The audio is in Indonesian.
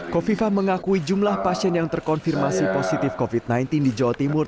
kofifah mengakui jumlah pasien yang terkonfirmasi positif covid sembilan belas di jawa timur